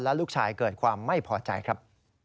และลูกชายเกิดความไม่พอใจครับ